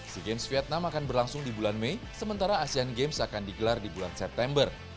sea games vietnam akan berlangsung di bulan mei sementara asean games akan digelar di bulan september